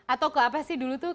atau ke apa sih dulu tuh